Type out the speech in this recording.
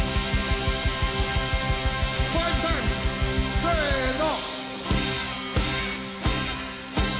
せの。